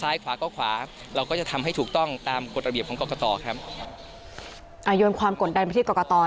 อายุนความกดดันพิธีกรกตนะคะตอนนี้